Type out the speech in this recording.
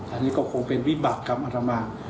อันนี้ก็คงเป็นวิบากกรรมอารมณ์